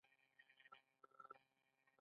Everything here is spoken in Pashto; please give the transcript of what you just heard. تر خپل بیرغ لاندي را ټولېدلو ته را وبلل.